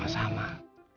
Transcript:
pasti ayah bantuin